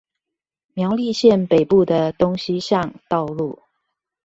苗栗縣北部的東西向道路